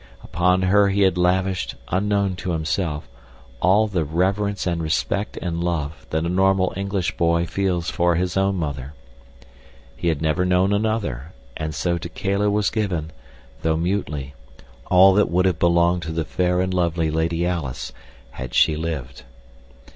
Upon her he had lavished, unknown to himself, all the reverence and respect and love that a normal English boy feels for his own mother. He had never known another, and so to Kala was given, though mutely, all that would have belonged to the fair and lovely Lady Alice had she lived.